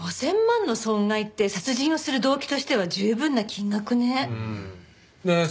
５０００万の損害って殺人をする動機としては十分な金額ね。